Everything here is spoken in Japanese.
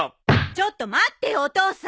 ちょっと待ってよお父さん。